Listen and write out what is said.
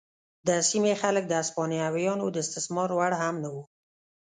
د سیمې خلک د هسپانویانو د استثمار وړ هم نه وو.